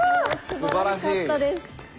すばらしかったです。